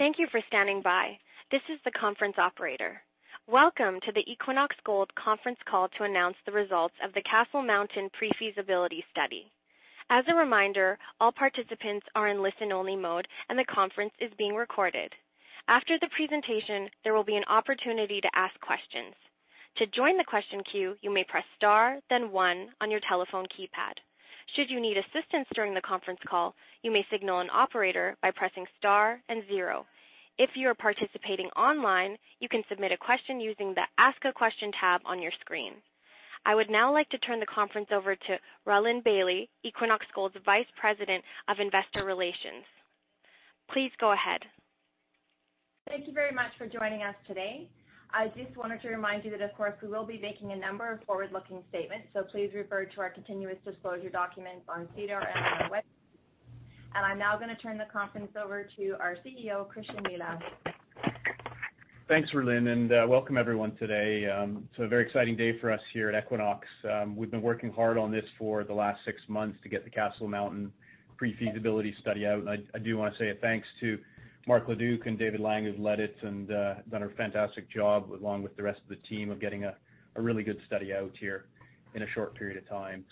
Thank you for standing by. This is the conference operator. Welcome to the Equinox Gold conference call to announce the results of the Castle Mountain pre-feasibility study. As a reminder, all participants are in listen-only mode, and the conference is being recorded. After the presentation, there will be an opportunity to ask questions. To join the question queue, you may press star then one on your telephone keypad. Should you need assistance during the conference call, you may signal an operator by pressing star and zero. If you are participating online, you can submit a question using the Ask a Question tab on your screen. I would now like to turn the conference over to Rhylin Bailie, Equinox Gold's Vice President of Investor Relations. Please go ahead. Thank you very much for joining us today. I just wanted to remind you that, of course, we will be making a number of forward-looking statements, so please refer to our continuous disclosure documents on SEDAR and our website. I'm now going to turn the conference over to our CEO, Christian Milau. Thanks, Rhylin, and welcome everyone today. It's a very exciting day for us here at Equinox. We've been working hard on this for the last six months to get the Castle Mountain pre-feasibility study out. I do want to say thanks to Marc Leduc and David Laing, who've led it and done a fantastic job, along with the rest of the team, of getting a really good study out here in a short period of time.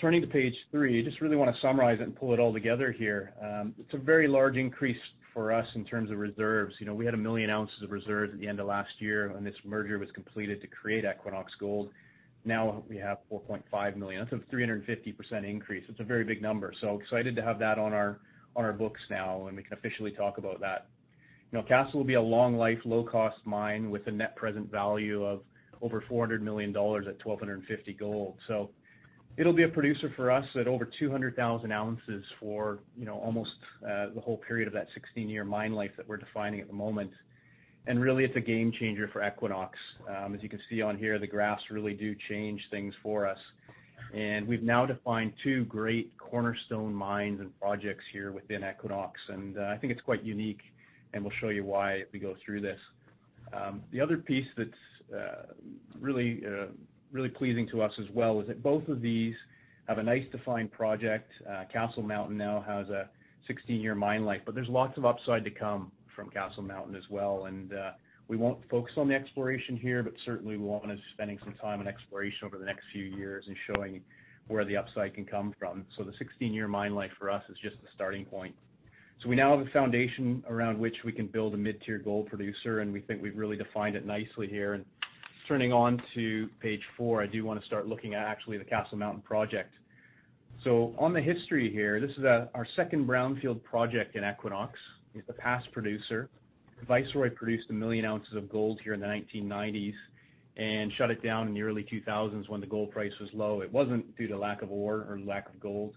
Turning to page three, I just really want to summarize it and pull it all together here. It's a very large increase for us in terms of reserves. We had a million ounces of reserves at the end of last year when this merger was completed to create Equinox Gold. Now we have 4.5 million. That's a 350% increase. It's a very big number. Excited to have that on our books now, and we can officially talk about that. Castle will be a long-life, low-cost mine with a net present value of over $400 million at $1,250 gold. It'll be a producer for us at over 200,000 ounces for almost the whole period of that 16-year mine life that we're defining at the moment. Really, it's a game changer for Equinox. As you can see on here, the graphs really do change things for us. We've now defined two great cornerstone mines and projects here within Equinox, and I think it's quite unique, and we'll show you why as we go through this. The other piece that's really pleasing to us as well is that both of these have a nice defined project. Castle Mountain now has a 16-year mine life, but there's lots of upside to come from Castle Mountain as well. We won't focus on the exploration here, but certainly we want to spend some time on exploration over the next few years and showing where the upside can come from. The 16-year mine life for us is just the starting point. We now have a foundation around which we can build a mid-tier gold producer, and we think we've really defined it nicely here. Turning on to page four, I do want to start looking at actually the Castle Mountain project. On the history here, this is our second brownfield project in Equinox. It's a past producer. Viceroy produced 1 million ounces of gold here in the 1990s and shut it down in the early 2000s when the gold price was low. It wasn't due to lack of ore or lack of gold.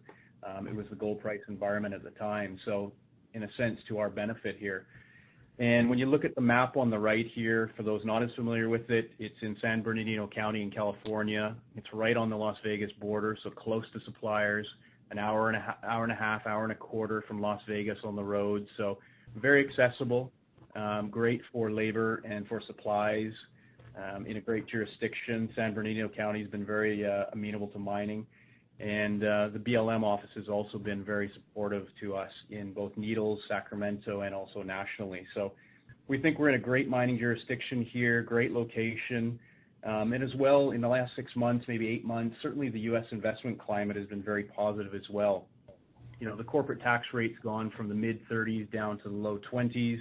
It was the gold price environment at the time. In a sense, to our benefit here. When you look at the map on the right here, for those not as familiar with it's in San Bernardino County in California. It's right on the Las Vegas border, so close to suppliers, an hour and a half, hour and a quarter from Las Vegas on the road. Very accessible, great for labor and for supplies, in a great jurisdiction. San Bernardino County has been very amenable to mining. The BLM office has also been very supportive to us in both Needles, Sacramento, and also nationally. We think we're in a great mining jurisdiction here, great location. As well, in the last six months, maybe eight months, certainly the U.S. investment climate has been very positive as well. The corporate tax rate's gone from the mid-30s down to the low 20s,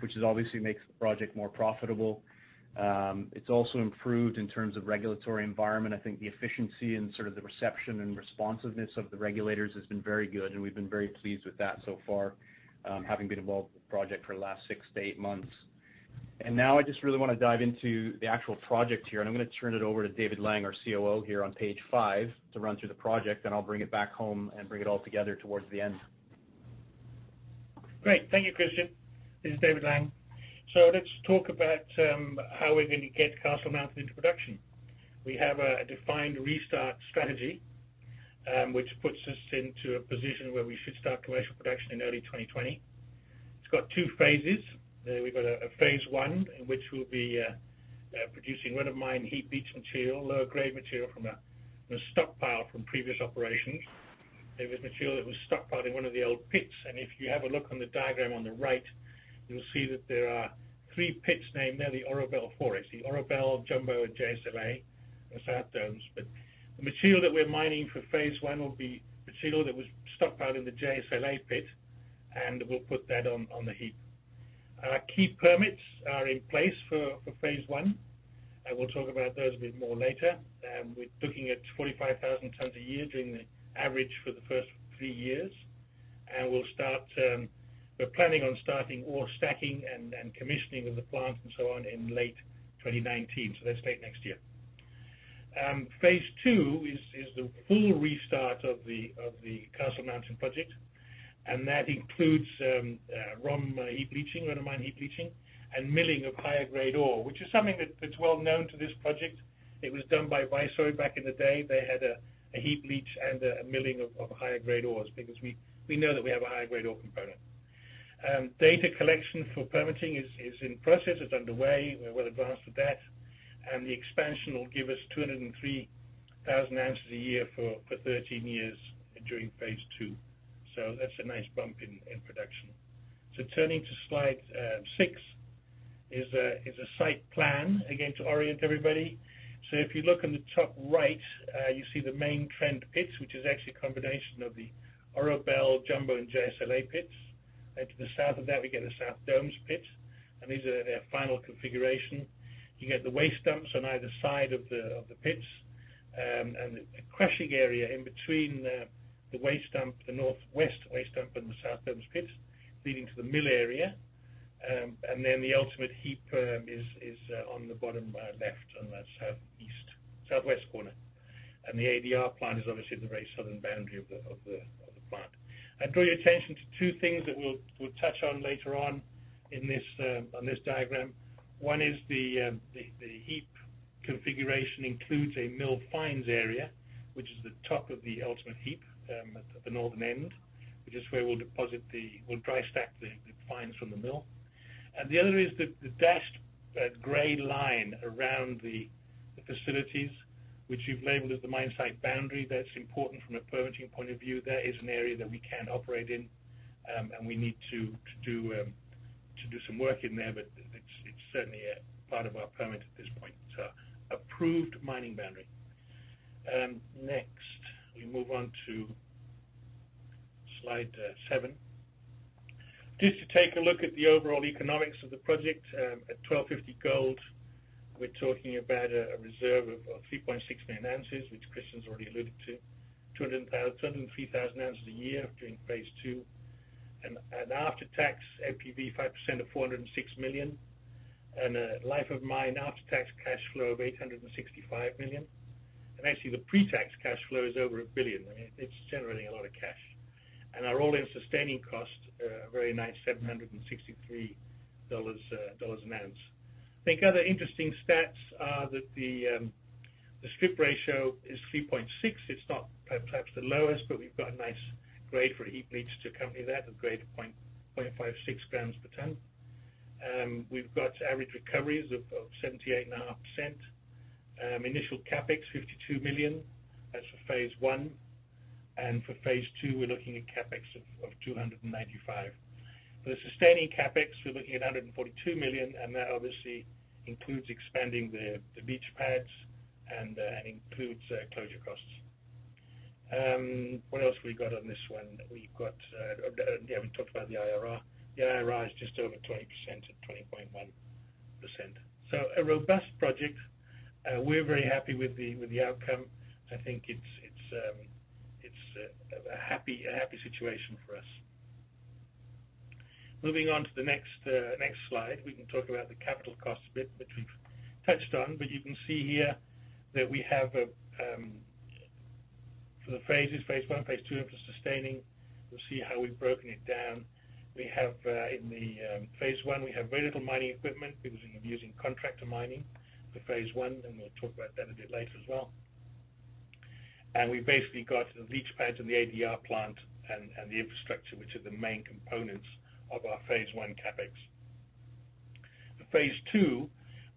which obviously makes the project more profitable. It's also improved in terms of regulatory environment. I think the efficiency and the reception and responsiveness of the regulators has been very good, and we've been very pleased with that so far, having been involved with the project for the last six to eight months. Now I just really want to dive into the actual project here, and I'm going to turn it over to David Laing, our COO here on page five to run through the project, and I'll bring it back home and bring it all together towards the end. Great. Thank you, Christian. This is David Laing. Let's talk about how we're going to get Castle Mountain into production. We have a defined restart strategy, which puts us into a position where we should start commercial production in early 2020. It's got 2 phases. We've got a phase 1 in which we'll be producing run of mine heap leach material, lower grade material from a stockpile from previous operations. It was material that was stockpiled in one of the old pits. If you have a look on the diagram on the right, you'll see that there are 3 pits named there, the Oro Belle Forest, the Oro Belle, Jumbo, and JSLA, the South Domes. The material that we're mining for phase 1 will be material that was stockpiled in the JSLA pit, and we'll put that on the heap. Our key permits are in place for phase 1. I will talk about those a bit more later. We are looking at 25,000 tons a year during the average for the first three years. We are planning on starting ore stacking and commissioning of the plant and so on in late 2019. That is late next year. Phase 2 is the full restart of the Castle Mountain project, and that includes ROM heap leaching, run of mine heap leaching, and milling of higher grade ore, which is something that is well known to this project. It was done by Viceroy back in the day. They had a heap leach and a milling of higher grade ores because we know that we have a higher grade ore component. Data collection for permitting is in process, it is underway. We are well advanced with that. The expansion will give us 203,000 ounces a year for 13 years during Phase 2. That is a nice bump in production. Turning to slide six is a site plan, again, to orient everybody. If you look in the top right, you see the main trend pits, which is actually a combination of the Oro Belle, Jumbo, and JSLA pits. To the south of that, we get a South Domes pit, and these are their final configuration. You get the waste dumps on either side of the pits. The crushing area in between the waste dump, the northwest waste dump, and the South Domes pit, leading to the mill area. Then the ultimate heap perm is on the bottom left on that southwest corner. The ADR plant is obviously the very southern boundary of the plant. I draw your attention to two things that we will touch on later on on this diagram. One is the heap configuration includes a mill fines area, which is the top of the ultimate heap, at the northern end, which is where we will deposit the, we will dry stack the fines from the mill. The other is the dashed gray line around the facilities, which we have labeled as the mine site boundary. That is important from a permitting point of view. That is an area that we can operate in. We need to do some work in there, but it is certainly a part of our permit at this point. Approved mining boundary. Next, we move on to slide seven. Just to take a look at the overall economics of the project. At $1,250 gold, we are talking about a reserve of 3.6 million ounces, which Christian has already alluded to, 203,000 ounces a year during Phase 2. An after-tax NPV 5% of $406 million. A life of mine after-tax cash flow of $865 million. Actually, the pre-tax cash flow is over $1 billion. I mean, it is generating a lot of cash. Our all-in sustaining cost, a very nice $763 an ounce. I think other interesting stats are that the strip ratio is 3.6. It is not perhaps the lowest, but we have got a nice grade for heap leach to accompany that, a grade of 0.56 grams per ton. We have got average recoveries of 78.5%. Initial CapEx, $52 million. That is for Phase 1. For Phase 2, we are looking at CapEx of $295. For the sustaining CapEx, we're looking at $142 million. That obviously includes expanding the leach pads and includes closure costs. What else have we got on this one? We haven't talked about the IRR. The IRR is just over 20% at 20.1%. A robust project. We're very happy with the outcome. I think it's a happy situation for us. Moving on to the next slide, we can talk about the capital cost a bit, which we've touched on, you can see here that we have for the phases, phase 1, phase 2, infrastructure sustaining. We'll see how we've broken it down. In phase 1, we have very little mining equipment because we'll be using contractor mining for phase 1, we'll talk about that a bit later as well. We've basically got the leach pads and the ADR plant and the infrastructure, which are the main components of our phase 1 CapEx. For phase 2,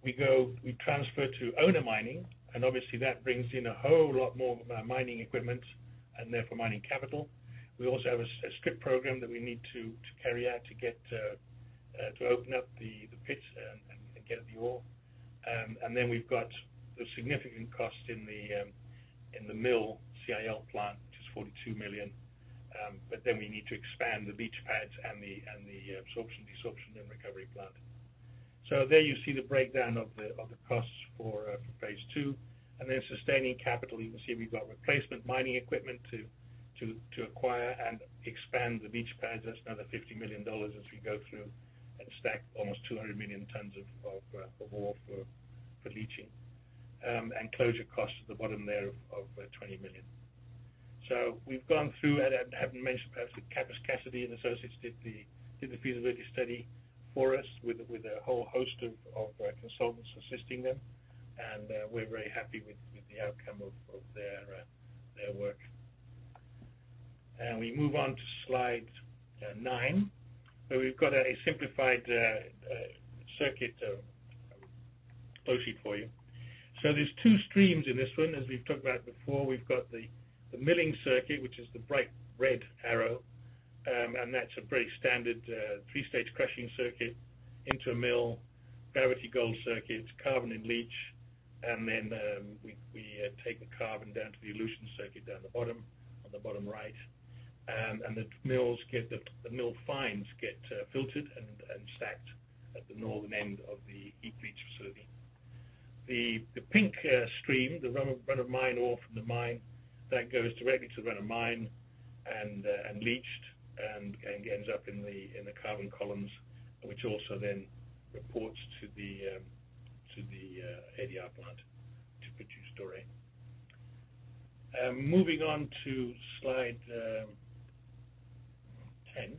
we transfer to owner mining, obviously that brings in a whole lot more mining equipment and therefore mining capital. We also have a strip program that we need to carry out to open up the pits and get the ore. We've got the significant cost in the mill CIL plant, which is $42 million. We need to expand the leach pads and the adsorption, desorption, and recovery plant. There you see the breakdown of the costs for phase 2. Sustaining capital, you can see we've got replacement mining equipment to acquire and expand the leach pads. That's another $50 million as we go through and stack almost 200 million tons of ore for leaching. Closure costs at the bottom there of $20 million. We've gone through, I haven't mentioned, perhaps that Kappes, Cassiday & Associates did the feasibility study for us with a whole host of consultants assisting them. We're very happy with the outcome of their work. We move on to slide nine, where we've got a simplified circuit flow sheet for you. There's two streams in this one, as we've talked about before. We've got the milling circuit, which is the bright red arrow. That's a very standard 3-stage crushing circuit into a mill, gravity gold circuit. It's carbon in leach. We take the carbon down to the elution circuit down the bottom, on the bottom right. The mill fines get filtered and stacked at the northern end of the heap leach facility. The pink stream, the run of mine ore from the mine, that goes directly to the run of mine and leached and ends up in the carbon columns, which also then reports to the ADR plant to produce Doré. Moving on to slide 10.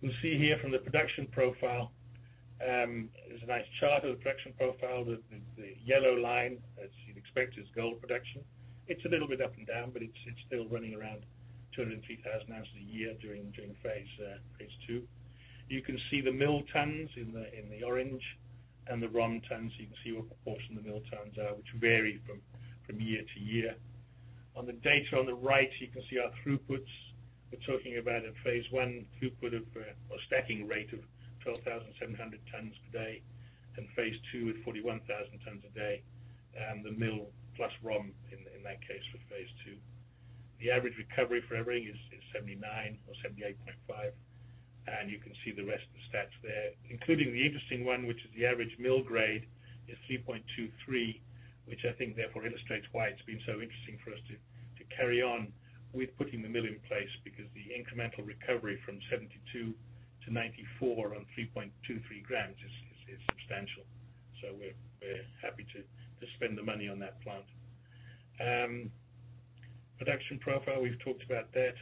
You'll see here from the production profile. There's a nice chart of the production profile. The yellow line, as you'd expect, is gold production. It's a little bit up and down, but it's still running around 203,000 ounces a year during phase 2. You can see the mill tonnes in the orange and the ROM tonnes. You can see what proportion of the mill tonnes are, which vary from year to year. On the data on the right, you can see our throughputs. We're talking about in phase 1, throughput of, or stacking rate of 12,700 tonnes per day, and phase 2 at 41,000 tonnes a day, and the mill plus ROM, in that case, for phase 2. The average recovery for everything is 79 or 78.5. You can see the rest of the stats there, including the interesting one, which is the average mill grade is 3.23, which I think therefore illustrates why it's been so interesting for us to carry on with putting the mill in place, because the incremental recovery from 72 to 94 on 3.23 grams is substantial. We're happy to spend the money on that plant. Production profile, we've talked about that.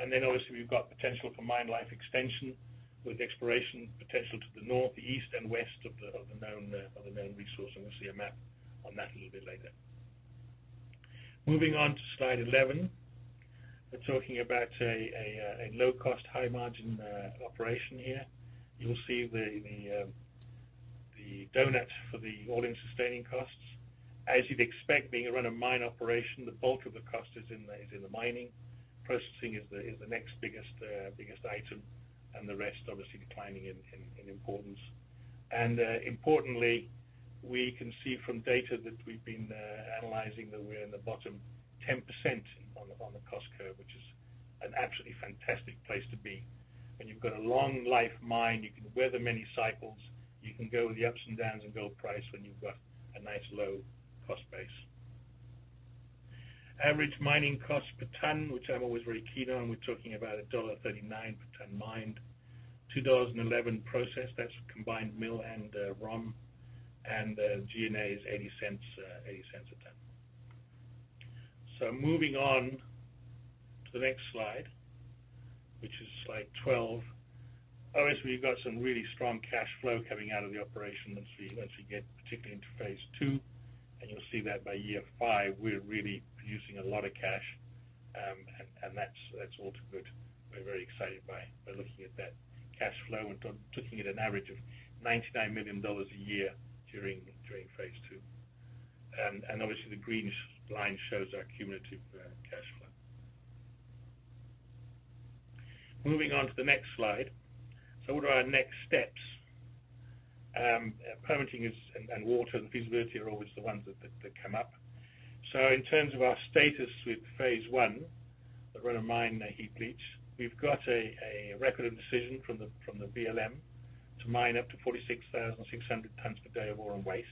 Obviously we've got potential for mine life extension with exploration potential to the north, east, and west of the known resource, and we'll see a map on that a little bit later. Moving on to slide 11. We're talking about a low-cost, high-margin operation here. You'll see the doughnut for the all-in sustaining costs. As you'd expect, being a run-of-mine operation, the bulk of the cost is in the mining. Processing is the next biggest item, and the rest obviously declining in importance. Importantly, we can see from data that we've been analyzing, that we're in the bottom 10% on the cost curve, which is an absolutely fantastic place to be. When you've got a long-life mine, you can weather many cycles. You can go with the ups and downs in gold price when you've got a nice low-cost base. Average mining cost per tonne, which I'm always very keen on. We're talking about $1.39 per tonne mined, $2.11 processed, that's combined mill and ROM, and G&A is $0.80 a tonne. Moving on to the next slide, which is slide 12. Obviously, we've got some really strong cash flow coming out of the operation once we get particularly into phase 2, and you'll see that by year 5, we're really producing a lot of cash. That's all good. We're very excited by looking at that cash flow and looking at an average of $99 million a year during phase 2. Obviously the green line shows our cumulative cash flow. Moving on to the next slide. What are our next steps? Permitting and water and feasibility are always the ones that come up. In terms of our status with phase 1, the run of mine heap leach, we've got a Record of Decision from the BLM to mine up to 46,600 tonnes per day of ore and waste.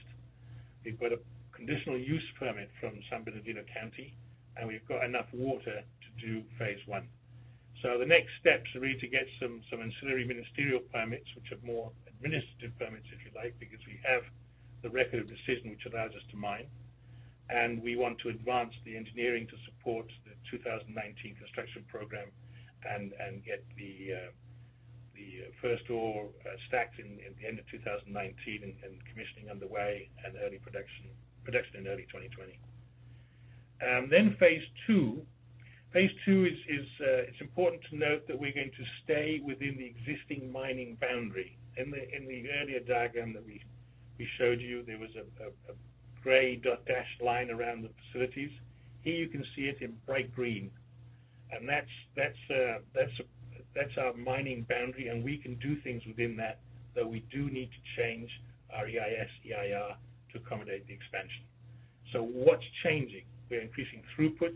We've got a Conditional Use Permit from San Bernardino County, and we've got enough water to do phase 1. The next steps are really to get some ancillary ministerial permits, which are more administrative permits, if you like, because we have the Record of Decision which allows us to mine. We want to advance the engineering to support the 2019 construction program and get the first ore stacked in the end of 2019 and commissioning underway and early production in early 2020. Phase 2. Phase 2, it's important to note that we're going to stay within the existing mining boundary. In the earlier diagram that we showed you, there was a gray dot-dashed line around the facilities. Here you can see it in bright green. That's our mining boundary, and we can do things within that, though we do need to change our EIS, EIR to accommodate the expansion. What's changing? We're increasing throughput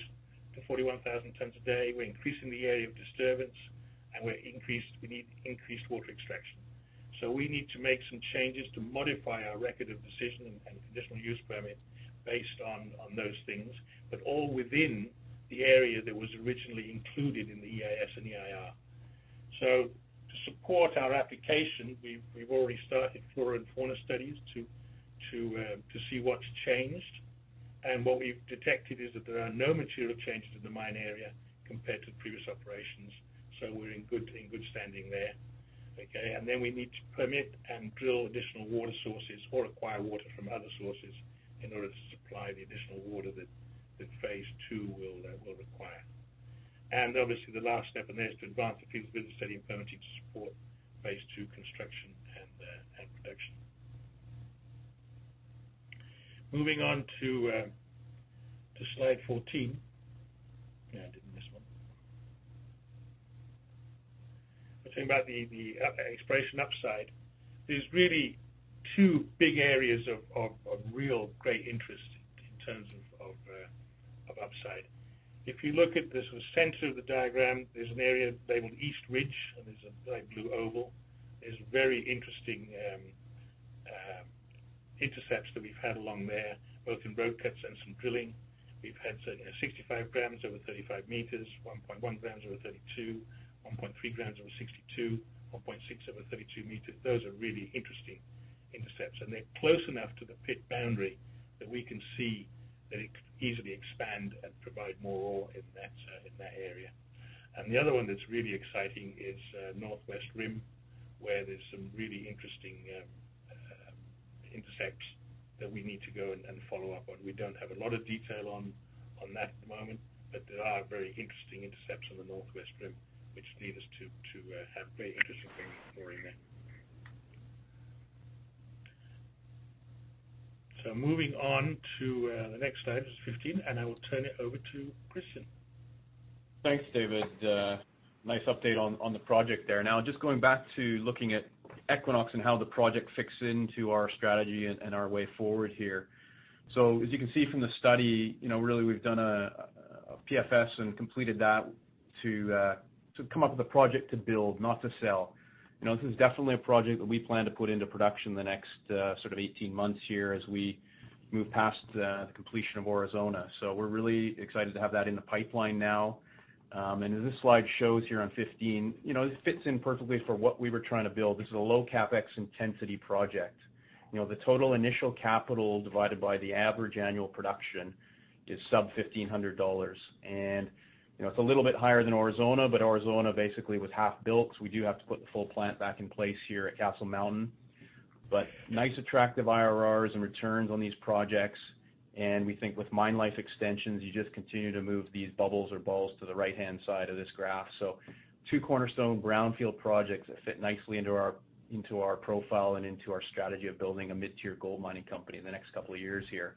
to 41,000 tonnes a day. We're increasing the area of disturbance, and we need increased water extraction. We need to make some changes to modify our Record of Decision and Conditional Use Permit based on those things, but all within the area that was originally included in the EIS and EIR. To support our application, we've already started flora and fauna studies to see what's changed. What we've detected is that there are no material changes in the mine area compared to previous operations. We're in good standing there. Okay. We need to permit and drill additional water sources or acquire water from other sources in order to supply the additional water that phase 2 will require. Obviously the last step in there is to advance the feasibility study and permitting to support phase 2 construction and production. Moving on to slide 14. Yeah, I didn't miss one. We're talking about the exploration upside. There's really two big areas of real great interest in terms of upside. If you look at the center of the diagram, there's an area labeled East Ridge, and there's a light blue oval. There's very interesting intercepts that we've had along there, both in road cuts and some drilling. We've had 65 grams over 35 meters, 1.1 grams over 32, 1.3 grams over 62, 1.6 over 32 meters. Those are really interesting intercepts, and they're close enough to the pit boundary that we can see that it could easily expand and provide more ore in that area. The other one that's really exciting is Northwest Rim, where there's some really interesting intercepts that we need to go and follow up on. We don't have a lot of detail on that at the moment, but there are very interesting intercepts on the Northwest Rim which lead us to have very interesting things exploring there. Moving on to the next slide, which is 15, and I will turn it over to Christian. Thanks, David. Nice update on the project there. Just going back to looking at Equinox and how the project fits into our strategy and our way forward here. As you can see from the study, really we've done a PFS and completed that to come up with a project to build, not to sell. This is definitely a project that we plan to put into production the next 18 months here as we move past the completion of Aurizona. We're really excited to have that in the pipeline now. As this slide shows here on 15, this fits in perfectly for what we were trying to build. This is a low CapEx intensity project. The total initial capital divided by the average annual production is sub $1,500. It's a little bit higher than Aurizona, but Aurizona basically was half built, because we do have to put the full plant back in place here at Castle Mountain. Nice attractive IRRs and returns on these projects, and we think with mine life extensions, you just continue to move these bubbles or balls to the right-hand side of this graph. Two cornerstone brownfield projects that fit nicely into our profile and into our strategy of building a mid-tier gold mining company in the next couple of years here.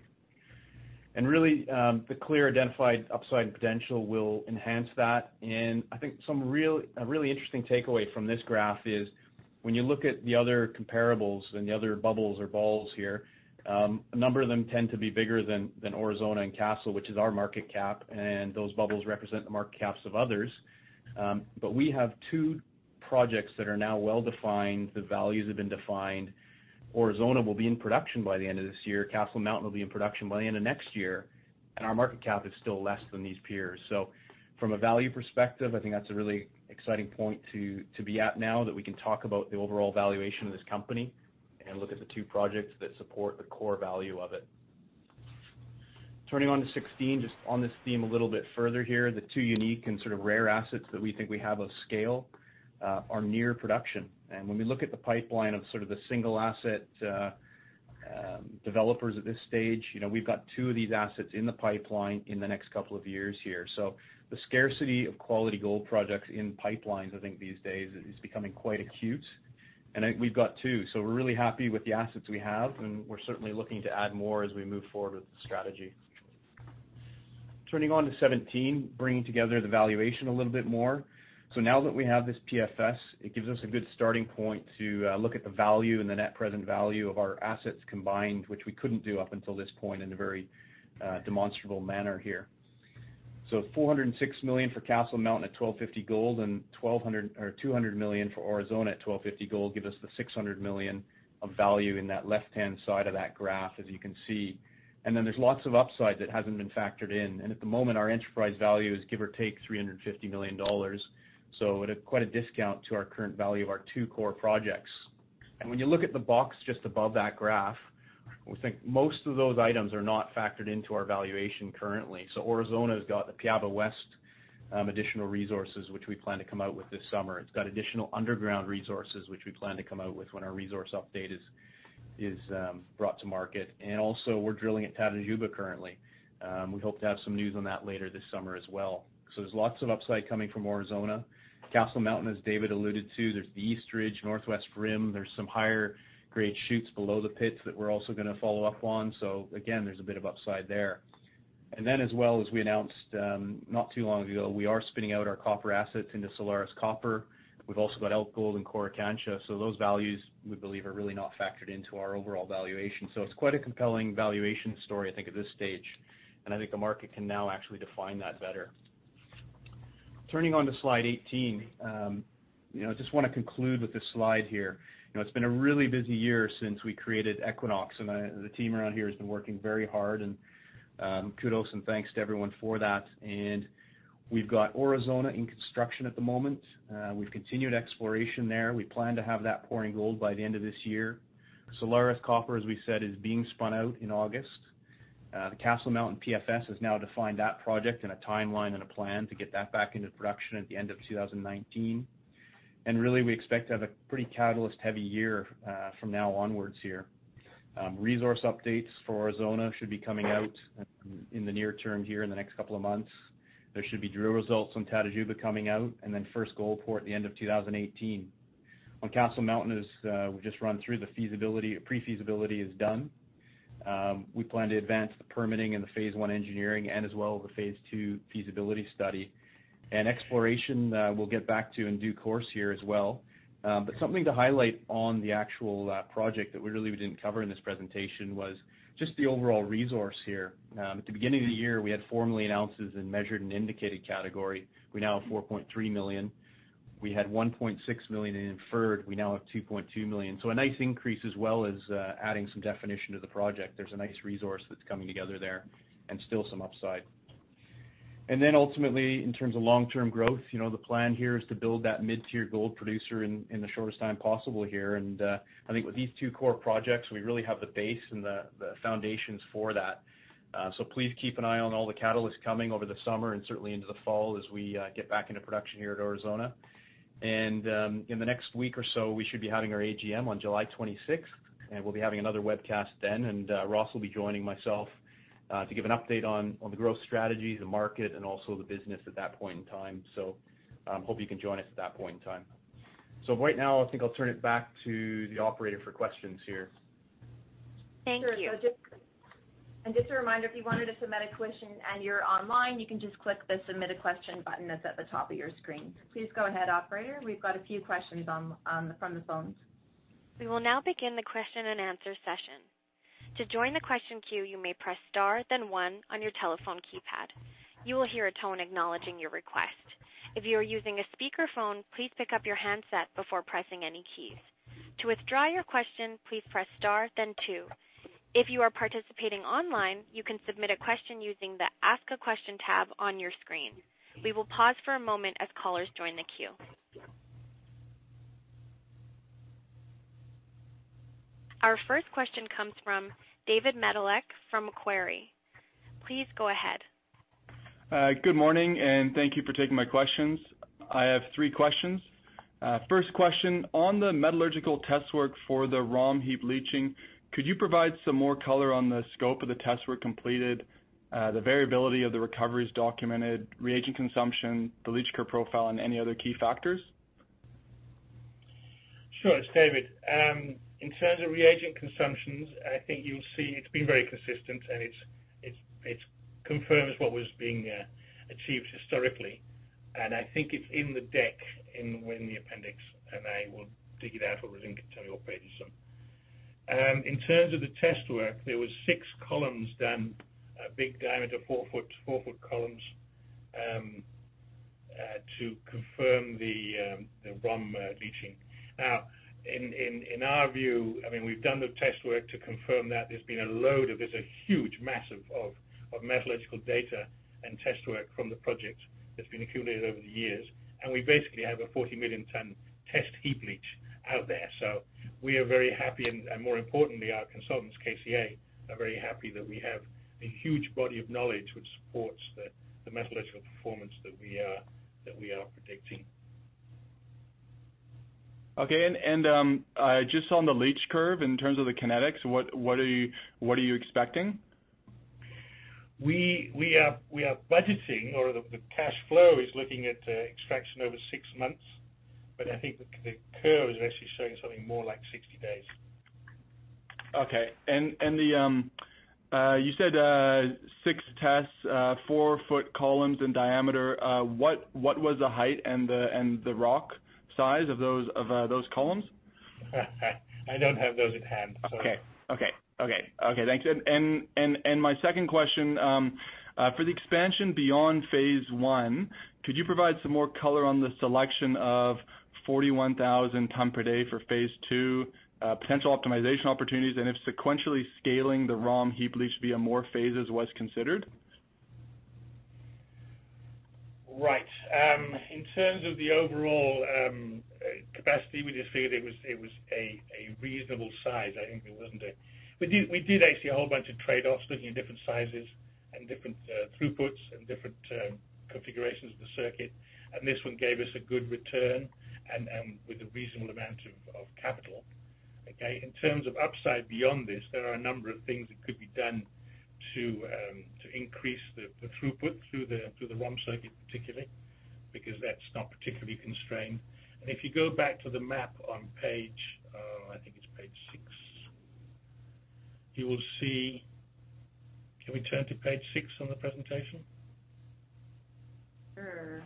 Really, the clear identified upside potential will enhance that. I think a really interesting takeaway from this graph is when you look at the other comparables and the other bubbles or balls here, a number of them tend to be bigger than Aurizona and Castle, which is our market cap, and those bubbles represent the market caps of others. We have two projects that are now well-defined. The values have been defined. Aurizona will be in production by the end of this year. Castle Mountain will be in production by the end of next year. Our market cap is still less than these peers. From a value perspective, I think that's a really exciting point to be at now that we can talk about the overall valuation of this company and look at the two projects that support the core value of it. Turning on to 16, just on this theme a little bit further here, the two unique and sort of rare assets that we think we have of scale are near production. When we look at the pipeline of the single asset developers at this stage, we've got two of these assets in the pipeline in the next couple of years here. The scarcity of quality gold projects in pipelines, I think, these days is becoming quite acute, and I think we've got two. We're really happy with the assets we have, and we're certainly looking to add more as we move forward with the strategy. Turning on to 17, bringing together the valuation a little bit more. Now that we have this PFS, it gives us a good starting point to look at the value and the net present value of our assets combined, which we couldn't do up until this point in a very demonstrable manner here. $406 million for Castle Mountain at $1,250 gold and $200 million for Aurizona at $1,250 gold give us the $600 million of value in that left-hand side of that graph, as you can see. There's lots of upside that hasn't been factored in. At the moment, our enterprise value is, give or take, $350 million. At quite a discount to our current value of our two core projects. When you look at the box just above that graph, we think most of those items are not factored into our valuation currently. Aurizona's got the Piaba West additional resources, which we plan to come out with this summer. It's got additional underground resources, which we plan to come out with when our resource update is brought to market. We're drilling at Tatajuba currently. We hope to have some news on that later this summer as well. There's lots of upside coming from Aurizona. Castle Mountain, as David alluded to, there's the East Ridge, Northwest Rim. There's some higher grade shoots below the pits that we're also going to follow up on. Again, there's a bit of upside there. As well, as we announced not too long ago, we are spinning out our copper assets into Solaris Copper. We've also got Elk Gold and Coricancha. Those values, we believe, are really not factored into our overall valuation. It's quite a compelling valuation story, I think, at this stage, and I think the market can now actually define that better. Turning on to slide 18. Just want to conclude with this slide here. It's been a really busy year since we created Equinox, and the team around here has been working very hard, and kudos and thanks to everyone for that. We've got Aurizona in construction at the moment. We've continued exploration there. We plan to have that pouring gold by the end of this year. Solaris Copper, as we said, is being spun out in August. The Castle Mountain PFS has now defined that project and a timeline and a plan to get that back into production at the end of 2019. Really, we expect to have a pretty catalyst-heavy year from now onwards here. Resource updates for Aurizona should be coming out in the near term here in the next couple of months. There should be drill results on Tatajuba coming out, then first gold pour at the end of 2018. On Castle Mountain, we've just run through the pre-feasibility is done. We plan to advance the permitting and the phase 1 engineering and as well the phase 2 feasibility study. Exploration we'll get back to in due course here as well. Something to highlight on the actual project that really we didn't cover in this presentation was just the overall resource here. At the beginning of the year, we had 4 million ounces in measured and indicated category. We now have 4.3 million ounces. We had 1.6 million ounces in inferred. We now have 2.2 million ounces. A nice increase as well as adding some definition to the project. There's a nice resource that's coming together there and still some upside. Ultimately, in terms of long-term growth, the plan here is to build that mid-tier gold producer in the shortest time possible here. I think with these two core projects, we really have the base and the foundations for that. Please keep an eye on all the catalysts coming over the summer and certainly into the fall as we get back into production here at Aurizona. In the next week or so, we should be having our AGM on July 26th, and we'll be having another webcast then. Ross will be joining myself to give an update on the growth strategy, the market, and also the business at that point in time. Hope you can join us at that point in time. Right now, I think I'll turn it back to the operator for questions here. Thank you. Sure. Just a reminder, if you wanted to submit a question and you're online, you can just click the Submit a Question button that's at the top of your screen. Please go ahead, operator. We've got a few questions from the phones. We will now begin the question and answer session. To join the question queue, you may press star then one on your telephone keypad. You will hear a tone acknowledging your request. If you are using a speakerphone, please pick up your handset before pressing any keys. To withdraw your question, please press star then two. If you are participating online, you can submit a question using the Ask a Question tab on your screen. We will pause for a moment as callers join the queue. Our first question comes from David Medilek from Macquarie. Please go ahead. Good morning, and thank you for taking my questions. I have three questions. First question, on the metallurgical test work for the ROM heap leaching, could you provide some more color on the scope of the tests were completed, the variability of the recoveries documented, reagent consumption, the leach curve profile, and any other key factors? Sure. It's David. In terms of reagent consumptions, I think you'll see it's been very consistent, and it confirms what was being achieved historically. I think it's in the deck in the appendix, and I will dig it out for [you, I think], tell you what page it's on. In terms of the test work, there was six columns done, big diameter, 4-foot columns, to confirm the ROM leaching. In our view, we've done the test work to confirm that. There's a huge mass of metallurgical data and test work from the project that's been accumulated over the years. We basically have a 40 million ton test heap leach out there. We are very happy, and more importantly, our consultants, KCA, are very happy that we have a huge body of knowledge which supports the metallurgical performance that we are predicting. Okay. Just on the leach curve, in terms of the kinetics, what are you expecting? We are budgeting or the cash flow is looking at extraction over six months, but I think the curve is actually showing something more like 60 days. Okay. You said six tests, four-foot columns in diameter. What was the height and the rock size of those columns? I don't have those at hand. Sorry. Okay. Thanks. My second question, for the expansion beyond phase one, could you provide some more color on the selection of 41,000 ton per day for phase two, potential optimization opportunities, and if sequentially scaling the ROM heap leach via more phases was considered? Right. In terms of the overall capacity, we just figured it was a reasonable size. We did actually a whole bunch of trade-offs looking at different sizes and different throughputs and different configurations of the circuit, and this one gave us a good return and with a reasonable amount of capital. Okay? In terms of upside beyond this, there are a number of things that could be done to increase the throughput through the ROM circuit, particularly, because that's not particularly constrained. If you go back to the map on page, I think it's page six, you will see Can we turn to page six on the presentation? Sure.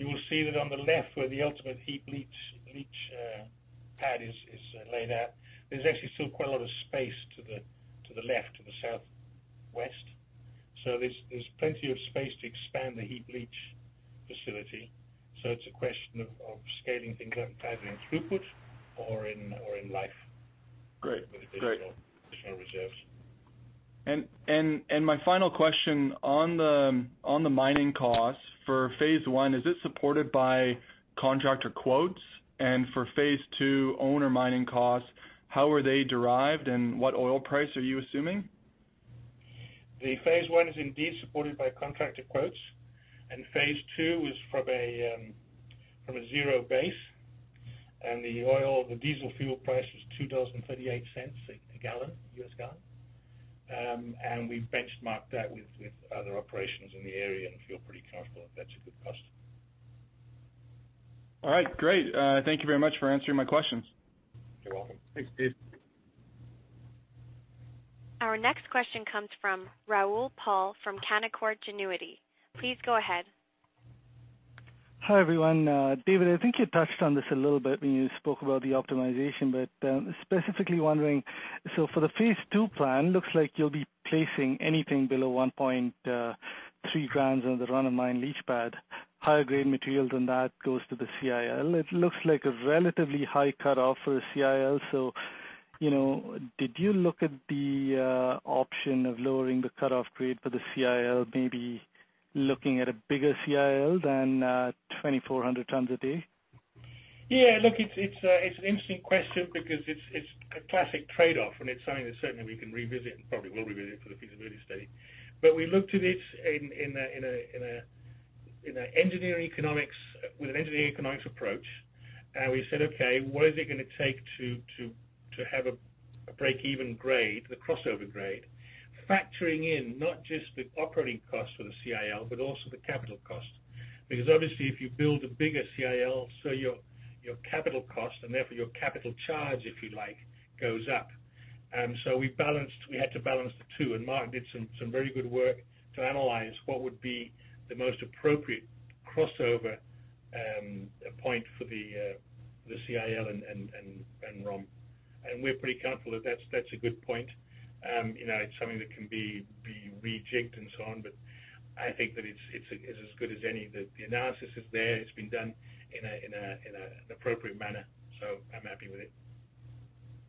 You will see that on the left where the ultimate heap leach pad is laid out. There's actually still quite a lot of space to the left, to the southwest. There's plenty of space to expand the heap leach facility. It's a question of scaling things either in throughput or in life- Great with additional reserves. My final question on the mining costs for phase 1, is this supported by contractor quotes? For phase 2, owner mining costs, how are they derived, and what oil price are you assuming? The phase 1 is indeed supported by contracted quotes. Phase 2 is from a zero base. The diesel fuel price was $2.38 a gallon, U.S. gallon. We benchmarked that with other operations in the area and feel pretty comfortable that that's a good cost. All right. Great. Thank you very much for answering my questions. You're welcome. Thanks, David. Our next question comes from Rahul Paul from Canaccord Genuity. Please go ahead. Hi, everyone. David, I think you touched on this a little bit when you spoke about the optimization, but specifically wondering, for the phase 2 plan, looks like you'll be placing anything below 1.3 grams on the ROM leach pad. Higher grade material than that goes to the CIL. It looks like a relatively high cutoff for the CIL. Did you look at the option of lowering the cutoff grade for the CIL maybe looking at a bigger CIL than 2,400 tons a day? Yeah. Look, it's an interesting question because it's a classic trade-off, and it's something that certainly we can revisit and probably will revisit for the feasibility study. We looked at it with an engineering economics approach, and we said, okay, what is it going to take to have a break-even grade, the crossover grade, factoring in not just the operating costs for the CIL, but also the capital cost. Obviously if you build a bigger CIL, your capital cost and therefore your capital charge, if you like, goes up. We had to balance the two, and Marc did some very good work to analyze what would be the most appropriate crossover point for the CIL and ROM. We're pretty comfortable that that's a good point. It's something that can be rejigged and so on, but I think that it's as good as any. The analysis is there. It's been done in an appropriate manner. I'm happy with it.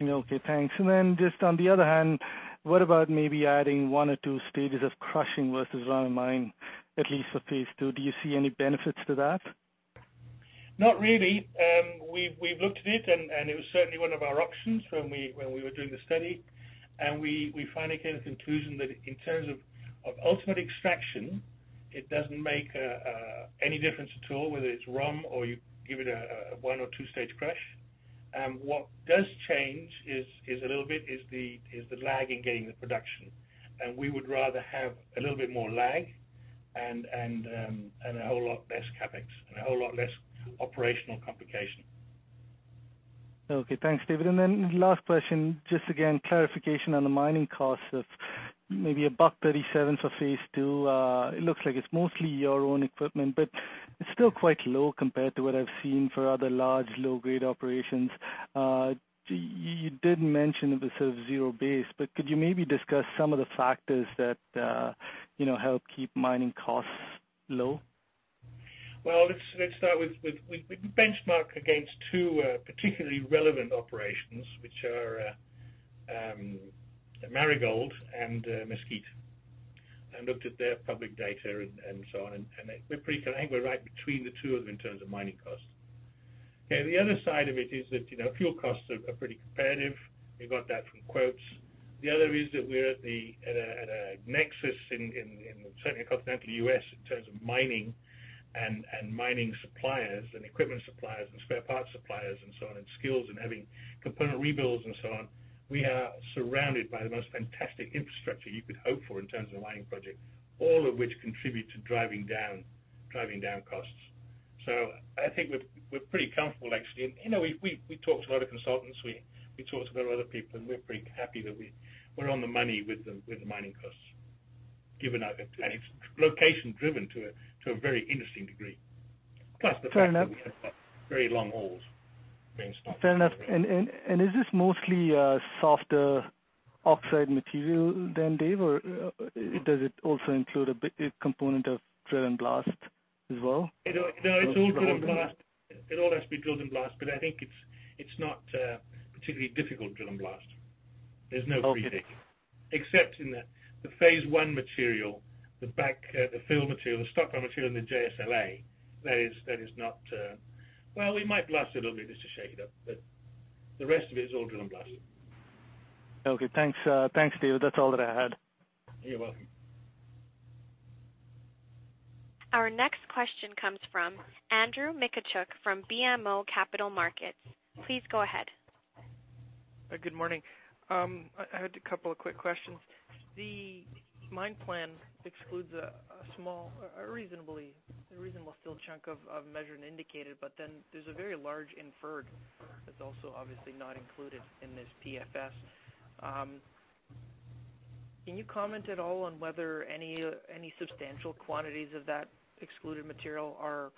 Okay. Thanks. Just on the other hand, what about maybe adding 1 or 2 stages of crushing versus ROM, at least for phase 2? Do you see any benefits to that? Not really. We've looked at it, and it was certainly one of our options when we were doing the study. We finally came to the conclusion that in terms of ultimate extraction, it doesn't make any difference at all whether it's ROM or you give it a one or two-stage crush. What does change is a little bit is the lag in getting the production. We would rather have a little bit more lag and a whole lot less CapEx and a whole lot less operational complication. Okay. Thanks, David. Then last question, just again, clarification on the mining cost of maybe $1.37 for phase II. It looks like it's mostly your own equipment, but it's still quite low compared to what I've seen for other large low-grade operations. You did mention this as zero-base, but could you maybe discuss some of the factors that help keep mining costs low? Well, let's start with we benchmark against two particularly relevant operations, which are Marigold and Mesquite, and looked at their public data and so on. We're pretty, I think we're right between the two of them in terms of mining costs. Okay, the other side of it is that fuel costs are pretty competitive. We got that from quotes. The other is that we're at a nexus in certainly continental U.S. in terms of mining and mining suppliers and equipment suppliers and spare parts suppliers and so on, and skills and having component rebuilds and so on. We are surrounded by the most fantastic infrastructure you could hope for in terms of a mining project, all of which contribute to driving down costs. I think we're pretty comfortable actually. We talked to a lot of consultants, we talked to a lot of other people, we're pretty happy that we're on the money with the mining costs, and it's location-driven to a very interesting degree. Fair enough We have got very long holes, bench top. Fair enough. Is this mostly softer oxide material then, Dave? Does it also include a component of drill and blast as well? No, it's all drill and blast. It all has to be drill and blast, but I think it's not a particularly difficult drill and blast. There's no free dip. Okay. Except in the phase one material, the back, the fill material, the stockpile material in the JSLA. Well, we might blast it a little bit just to shake it up, but the rest of it is all drill and blast. Okay. Thanks, Dave. That's all that I had. You're welcome. Our next question comes from Andrew Mikichuk from BMO Capital Markets. Please go ahead. Good morning. I had a couple of quick questions. The mine plan excludes a reasonable still chunk of measured and indicated, there's a very large inferred that's also obviously not included in this PFS. Can you comment at all on whether any substantial quantities of that excluded material are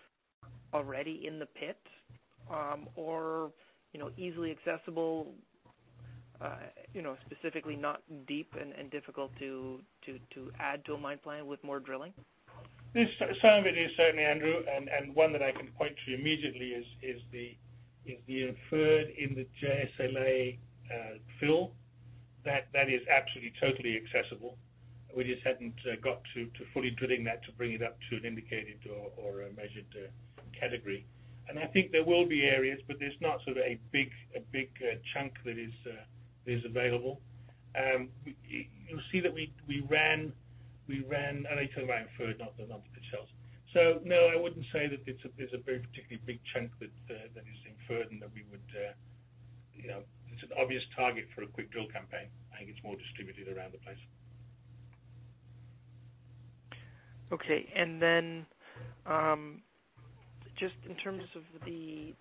already in the pit? Or easily accessible, specifically not deep and difficult to add to a mine plan with more drilling? Some of it is certainly, Andrew, One that I can point to immediately is the inferred in the JSLA fill. That is absolutely, totally accessible. We just hadn't got to fully drilling that to bring it up to an indicated or a measured category. I think there will be areas, there's not sort of a big chunk that is available. You'll see that we ran, I talk about inferred, not the shells. No, I wouldn't say that there's a very particularly big chunk that is inferred and that it's an obvious target for a quick drill campaign. I think it's more distributed around the place. Okay. Just in terms of the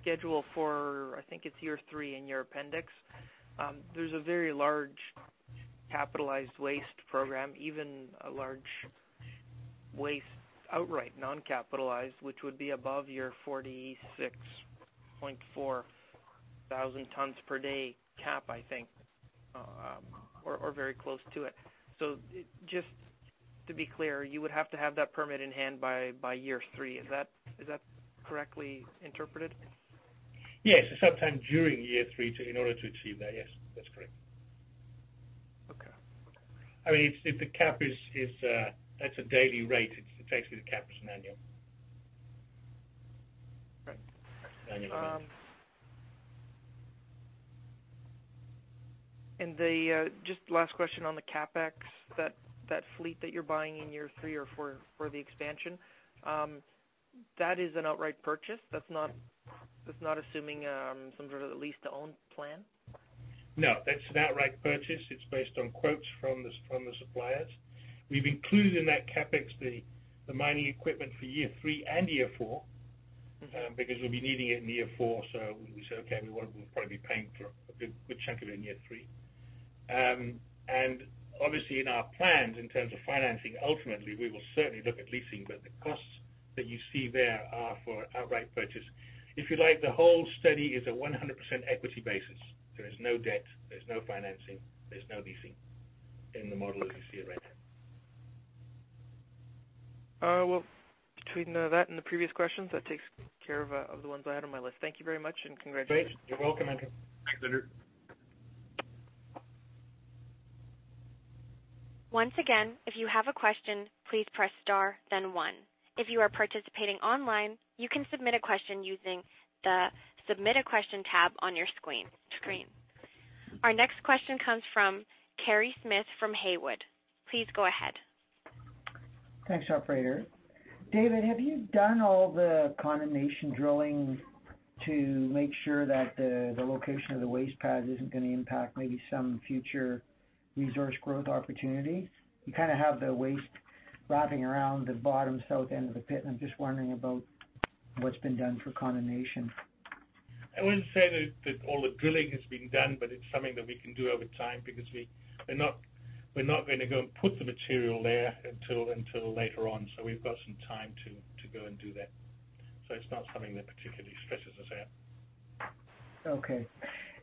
schedule for, I think it's year three in your appendix. There's a very large capitalized waste program, even a large waste outright non-capitalized, which would be above your 46.4 thousand tons per day cap, I think, or very close to it. Just to be clear, you would have to have that permit in hand by year three. Is that correctly interpreted? Yes, a sometime during year three in order to achieve that. Yes, that's correct. Okay. That's a daily rate. Effectively, the cap is an annual rate. Right. Annual rate. Just last question on the CapEx. That fleet that you're buying in year three or four for the expansion, that is an outright purchase. That's not assuming some sort of lease-to-own plan? No, that's an outright purchase. It's based on quotes from the suppliers. We've included in that CapEx the mining equipment for year three and year four, because we'll be needing it in year four. We said, "Okay, we'll probably be paying for a good chunk of it in year three." Obviously, in our plans in terms of financing, ultimately, we will certainly look at leasing, but the costs that you see there are for outright purchase. If you like, the whole study is a 100% equity basis. There is no debt, there's no financing, there's no leasing in the model as you see it right now. Well, between that and the previous questions, that takes care of the ones I had on my list. Thank you very much, and congratulations. Great. You're welcome, Andrew. Thanks, Andrew. Once again, if you have a question, please press star then one. If you are participating online, you can submit a question using the Submit a Question tab on your screen. Our next question comes from Kerry Smith from Haywood. Please go ahead. Thanks, operator. David, have you done all the condemnation drilling to make sure that the location of the waste pads isn't going to impact maybe some future resource growth opportunities? You kind of have the waste wrapping around the bottom south end of the pit, and I'm just wondering about what's been done for condemnation. I wouldn't say that all the drilling has been done, but it's something that we can do over time because we're not going to go and put the material there until later on. We've got some time to go and do that. It's not something that particularly stresses us out. Okay.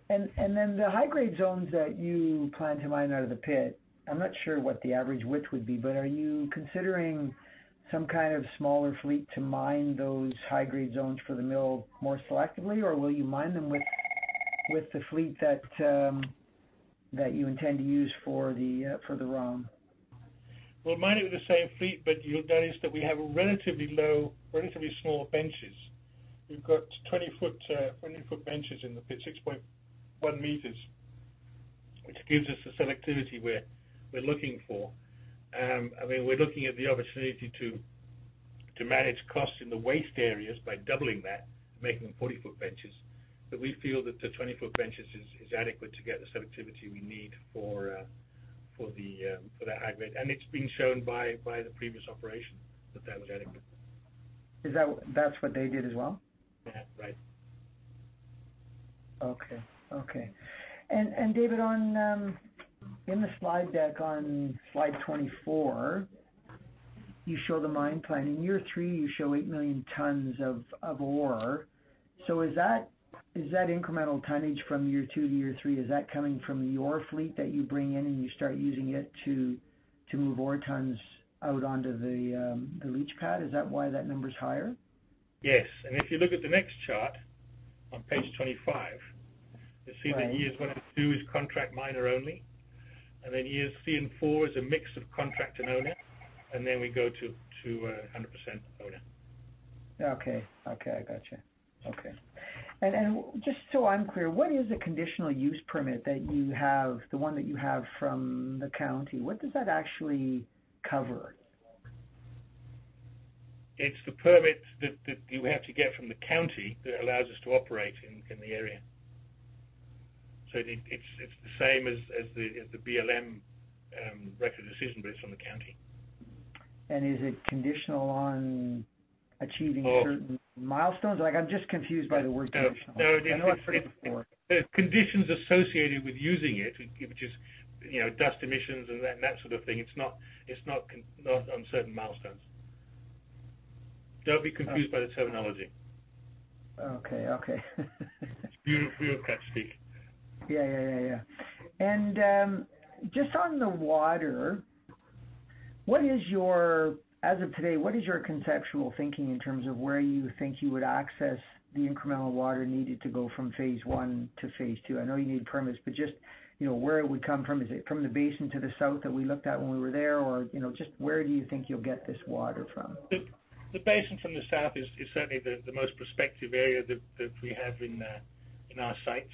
The high-grade zones that you plan to mine out of the pit, I'm not sure what the average width would be, but are you considering some kind of smaller fleet to mine those high-grade zones for the mill more selectively? Will you mine them with the fleet that you intend to use for the ROM? We'll mine it with the same fleet, but you'll notice that we have relatively small benches. We've got 20-foot benches in the pit, 6.1 meters, which gives us the selectivity we're looking for. We're looking at the opportunity to manage costs in the waste areas by doubling that, making them 40-foot benches. We feel that the 20-foot benches is adequate to get the selectivity we need for that high grade. It's been shown by the previous operation that was adequate. That's what they did as well? Yeah. Right. Okay. David, in the slide deck on slide 24, you show the mine plan. In year three, you show 8 million tons of ore. Is that incremental tonnage from year two to year three, is that coming from your fleet that you bring in and you start using it to move ore tons out onto the leach pad? Is that why that number's higher? Yes. If you look at the next chart on page 25. Right you'll see that years one and two is contract miner only, then years three and four is a mix of contract and owner, then we go to 100% owner. Okay. I got you. Okay. Just so I'm clear, what is a Conditional Use Permit, the one that you have from the county? What does that actually cover? It's the permit that you have to get from the county that allows us to operate in the area. It's the same as the BLM Record of Decision, but it's from the county. Is it conditional on achieving certain milestones? I'm just confused by the word conditional. I know I've heard it before. There are conditions associated with using it, which is dust emissions and that sort of thing. It is not on certain milestones. Do not be confused by the terminology. Okay. We have a. Yeah. Just on the water, as of today, what is your conceptual thinking in terms of where you think you would access the incremental water needed to go from phase one to phase two? I know you need permits, just where it would come from. Is it from the basin to the south that we looked at when we were there? Just where do you think you will get this water from? The basin from the south is certainly the most prospective area that we have in our sites,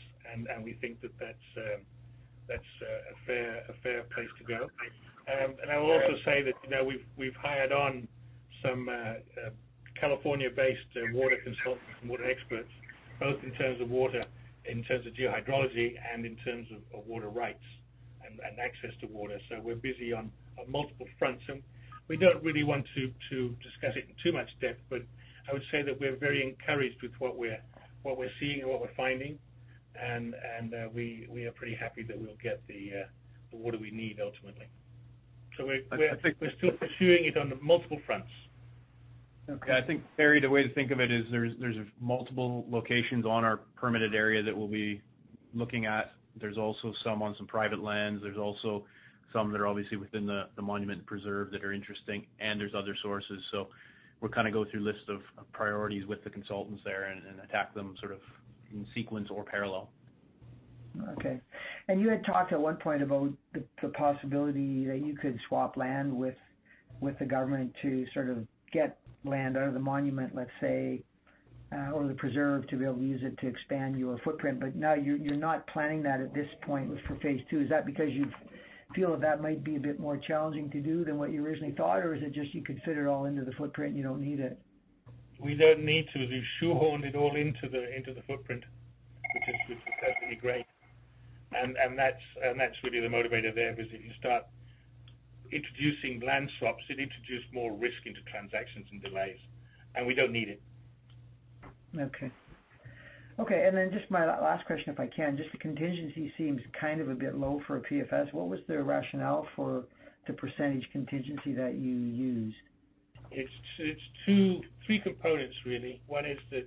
we think that is a fair place to go. I will also say that we have hired on some California-based water consultants and water experts, both in terms of water, in terms of geo-hydrology and in terms of water rights and access to water. We are busy on multiple fronts, we do not really want to discuss it in too much depth, I would say that we are very encouraged with what we are seeing and what we are finding. We are pretty happy that we will get the water we need ultimately. We are still pursuing it on multiple fronts. Okay. I think, Kerry, the way to think of it is there's multiple locations on our permitted area that we'll be looking at, there's also some on some private lands, there's also some that are obviously within the monument preserve that are interesting, and there's other sources. We'll go through a list of priorities with the consultants there and attack them in sequence or parallel. Okay. You had talked at one point about the possibility that you could swap land with the government to get land out of the monument, let's say, or the preserve, to be able to use it to expand your footprint. Now you're not planning that at this point for phase II. Is that because you feel that that might be a bit more challenging to do than what you originally thought, or is it just you can fit it all into the footprint, and you don't need it? We don't need to. We've shoehorned it all into the footprint, which is actually great. That's really the motivator there, because if you start introducing land swaps, it introduces more risk into transactions and delays. We don't need it. Okay. Just my last question, if I can, just the contingency seems a bit low for a PFS. What was the rationale for the percentage contingency that you used? It's three components, really. One is the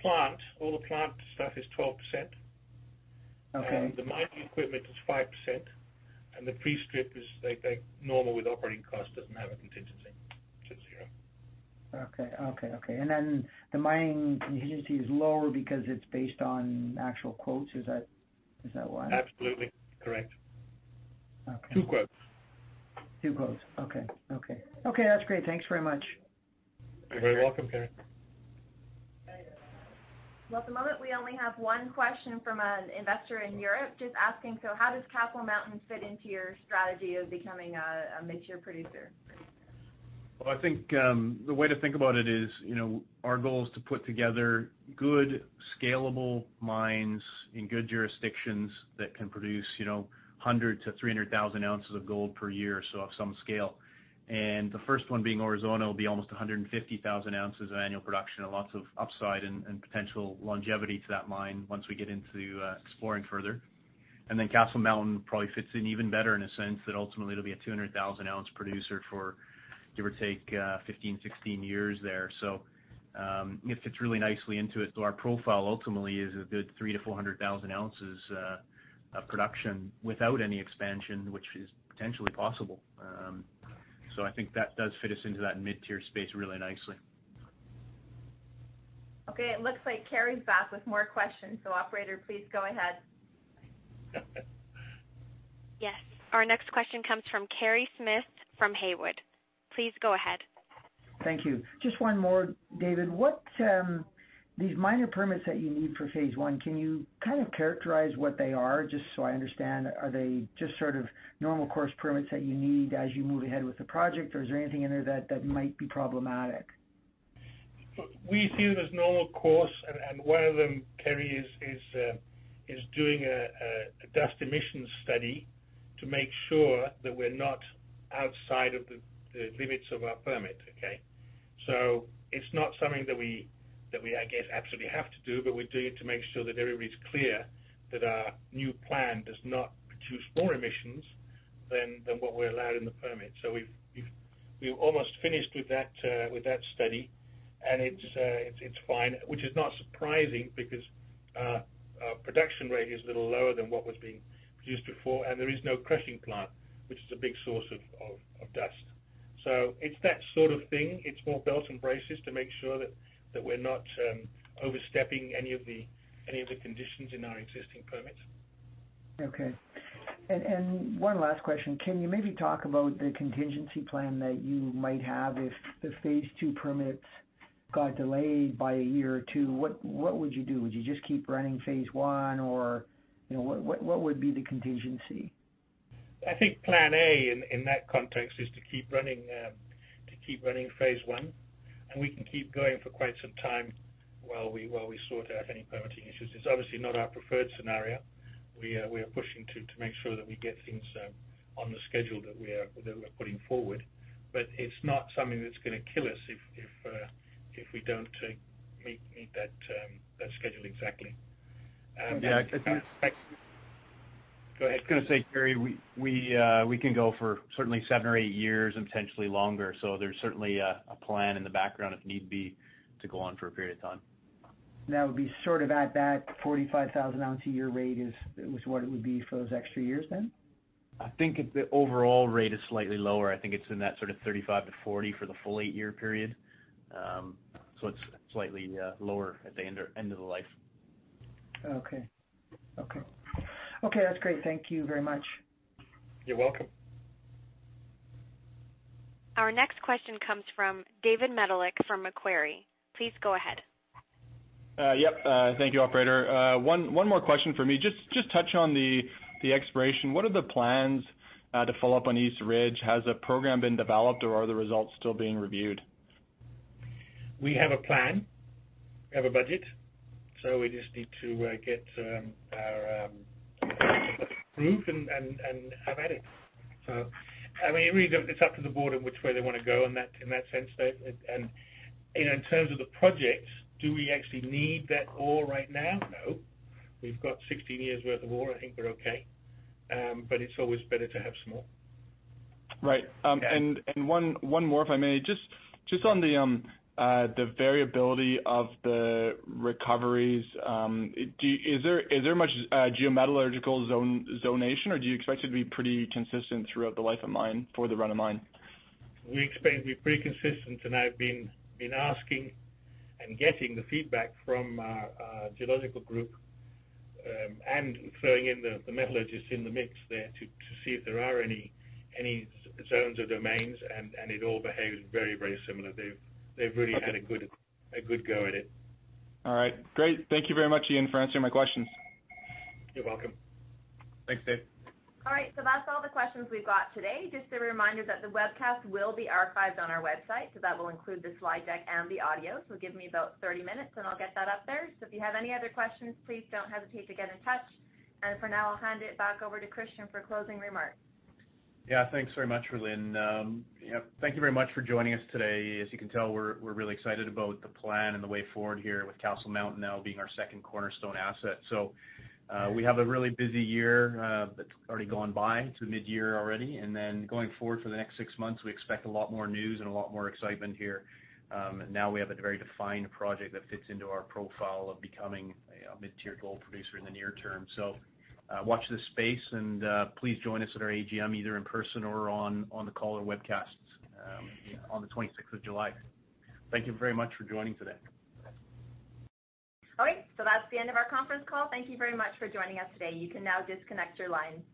plant. All the plant stuff is 12%. Okay. The mining equipment is 5%, and the pre-strip is normal with operating costs, doesn't have a contingency. It's at zero. Okay. Then the mining contingency is lower because it's based on actual quotes. Is that why? Absolutely correct. Okay. Two quotes. Two quotes. Okay. Okay, that's great. Thanks very much. You're very welcome, Kerry. At the moment, we only have one question from an investor in Europe just asking, how does Castle Mountain fit into your strategy of becoming a mid-tier producer? I think the way to think about it is, our goal is to put together good, scalable mines in good jurisdictions that can produce 100,000 to 300,000 ounces of gold per year. Of some scale. The first one being Aurizona will be almost 150,000 ounces of annual production and lots of upside and potential longevity to that mine once we get into exploring further. Then Castle Mountain probably fits in even better in a sense that ultimately it'll be a 200,000-ounce producer for, give or take, 15, 16 years there. It fits really nicely into it. Our profile ultimately is a good 300,000 to 400,000 ounces of production without any expansion, which is potentially possible. I think that does fit us into that mid-tier space really nicely. Okay, it looks like Kerry's back with more questions. Operator, please go ahead. Yes. Our next question comes from Kerry Smith from Haywood. Please go ahead. Thank you. Just one more, David. These minor permits that you need for phase one, can you characterize what they are, just so I understand? Are they just normal course permits that you need as you move ahead with the project, or is there anything in there that might be problematic? We see them as normal course, one of them, Kerry, is doing a dust emissions study to make sure that we're not outside of the limits of our permit, okay? It's not something that we, I guess, absolutely have to do, but we're doing it to make sure that everybody's clear that our new plan does not produce more emissions than what we're allowed in the permit. We've almost finished with that study, and it's fine. Which is not surprising, because our production rate is a little lower than what was being produced before, and there is no crushing plant, which is a big source of dust. It's that sort of thing. It's more belts and braces to make sure that we're not overstepping any of the conditions in our existing permits. Okay. One last question. Can you maybe talk about the contingency plan that you might have if the phase two permits got delayed by a year or two? What would you do? Would you just keep running phase one or what would be the contingency? I think plan A in that context is to keep running phase one, we can keep going for quite some time while we sort out any permitting issues. It's obviously not our preferred scenario. We are pushing to make sure that we get things on the schedule that we're putting forward. It's not something that's going to kill us if we don't meet that schedule exactly. Yeah, Go ahead. I was going to say, Kerry, we can go for certainly seven or eight years and potentially longer. There's certainly a plan in the background if need be to go on for a period of time. That would be at that 45,000-ounce a year rate is what it would be for those extra years? I think the overall rate is slightly lower. I think it's in that sort of 35,000 to 40,000 for the full eight-year period. It's slightly lower at the end of the life. Okay. Okay, that's great. Thank you very much. You're welcome. Our next question comes from David Medilek from Macquarie. Please go ahead. Yep. Thank you, Operator. One more question from me. Just touch on the exploration. What are the plans to follow up on East Ridge? Has a program been developed, or are the results still being reviewed? We have a plan. We have a budget. We just need to get it approved and have at it. It's up to the board in which way they want to go in that sense. In terms of the projects, do we actually need that ore right now? No. We've got 16 years' worth of ore. I think we're okay. It's always better to have some more. Right. One more, if I may. Just on the variability of the recoveries, is there much geometallurgical zonation, or do you expect it to be pretty consistent throughout the life of mine for the run of mine? We expect it to be pretty consistent. I've been asking and getting the feedback from our geological group, throwing in the metallurgists in the mix there to see if there are any zones or domains, it all behaves very similarly. They've really had a good go at it. All right. Great. Thank you very much, David, for answering my questions. You're welcome. Thanks, Dave. All right, that's all the questions we've got today. Just a reminder that the webcast will be archived on our website, that will include the slide deck and the audio. Give me about 30 minutes and I'll get that up there. If you have any other questions, please don't hesitate to get in touch. For now, I'll hand it back over to Christian for closing remarks. Yeah. Thanks very much, Rhylin. Thank you very much for joining us today. As you can tell, we're really excited about the plan and the way forward here with Castle Mountain now being our second cornerstone asset. We have a really busy year that's already gone by to mid-year already. Going forward for the next six months, we expect a lot more news and a lot more excitement here. Now we have a very defined project that fits into our profile of becoming a mid-tier gold producer in the near term. Watch this space and please join us at our AGM, either in person or on the call or webcasts on the 26th of July. Thank you very much for joining today. Okay, that's the end of our conference call. Thank you very much for joining us today. You can now disconnect your line.